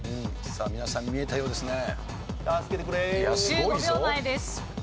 さあ皆さん見えたようですね。